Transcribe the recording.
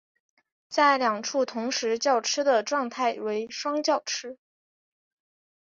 在两处同时叫吃的状态为双叫吃。